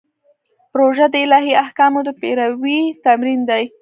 روژه د الهي احکامو د پیروي تمرین دی.